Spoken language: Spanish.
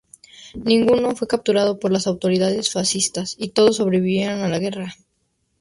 Ninguno fue capturado por las autoridades fascistas, y todos sobrevivieron a la guerra.